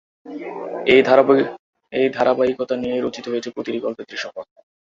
এই ধারাবাহিকতা নিয়েই রচিত হয়েছে প্রতিটি গল্পের দৃশ্যপট।